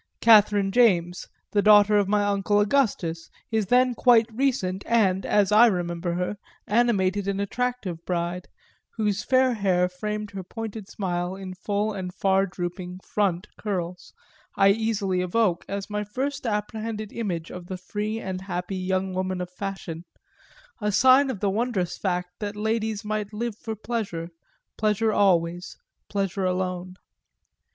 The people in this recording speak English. Catherine James, daughter of my uncle Augustus, his then quite recent and, as I remember her, animated and attractive bride, whose fair hair framed her pointed smile in full and far drooping "front" curls, I easily evoke as my first apprehended image of the free and happy young woman of fashion, a sign of the wondrous fact that ladies might live for pleasure, pleasure always, pleasure alone.